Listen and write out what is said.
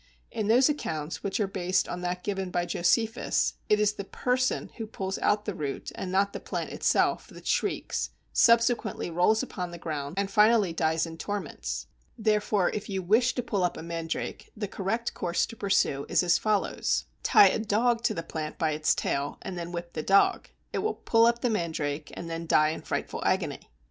In those accounts, which are based on that given by Josephus, it is the person who pulls out the root, and not the plant, that shrieks, subsequently rolls on the ground, and finally dies in torments. Therefore, if you wish to pull up a mandrake, the correct course to pursue is as follows: Tie a dog to the plant by its tail, and then whip the dog. It will pull up the mandrake, and then die in frightful agony!